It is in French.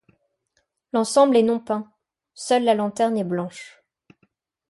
L'ensemble est non peint, seule la lanterne est blanche.